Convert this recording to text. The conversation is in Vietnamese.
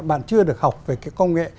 bạn chưa được học về cái công nghệ